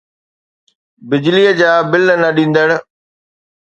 بجليءَ جا بل نه ڏيندڙ